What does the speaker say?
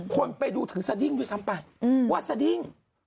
คนไปดูถึงสดิ้งด้วยซ้ำไปว่าสดิ้ง